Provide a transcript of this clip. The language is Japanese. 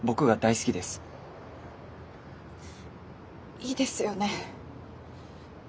いいですよね